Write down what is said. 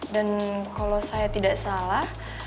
dan kalau saya tidak salah